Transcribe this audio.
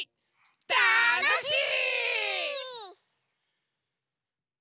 たのしい！